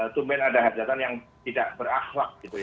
kemudian ada hajatan yang tidak berakhlak gitu ya